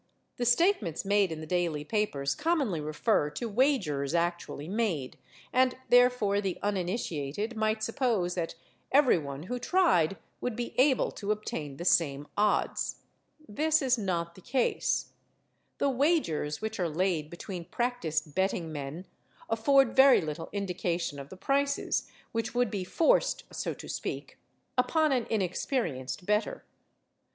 The statements made in the daily papers commonly refer to wagers actually made, and therefore the uninitiated might suppose that everyone who tried would be able to obtain the same odds. This is not the case. The wagers which are laid between practised betting men afford very little indication of the prices which would be forced (so to speak) upon an inexperienced bettor.